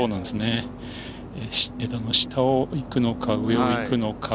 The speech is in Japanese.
下を行くのか、上を行くのか。